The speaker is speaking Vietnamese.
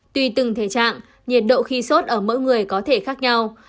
tùy từng thể trạng nhiệt độ khi sốt ở mỗi người có thể khác nhau